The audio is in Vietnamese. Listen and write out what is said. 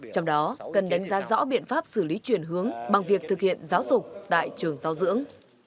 trong đó cần đánh giá rõ biện pháp xử lý chuyển hướng bằng việc thực hiện giáo dục tại trường giáo dưỡng